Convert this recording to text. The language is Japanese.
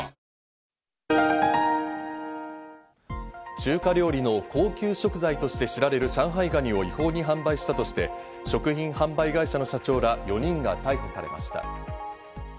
中華料理の高級食材として知られる上海ガニを違法に販売したとして、食品販売会社の社長ら４人が逮捕されました。